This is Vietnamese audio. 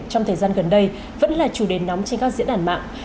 trong thời gian gần đây vẫn là chủ đề nóng trên các diễn đàn mạng